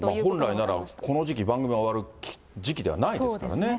本来なら、この時期、番組が終わる時期ではないですからね。